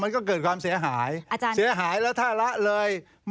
มันก็เกิดความเสียหายเสียหายแล้วถ้าละเลย